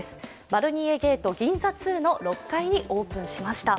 マロニエゲート銀座２にオープンしました。